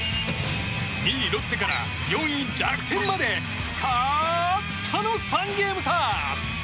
２位、ロッテから４位、楽天までたったの３ゲーム差。